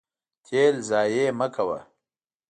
تیل ضایع مه کوه.